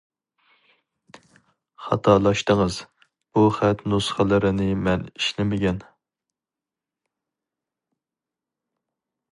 خاتالاشتىڭىز. بۇ خەت نۇسخىلىرىنى مەن ئىشلىمىگەن.